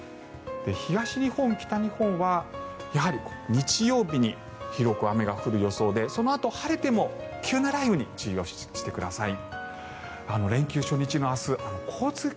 東日本、北日本はやはり日曜日に広く雨が降る予想でそのあと晴れても急な雷雨に注意をしてください。